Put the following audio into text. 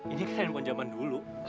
ini kan handphone zaman dulu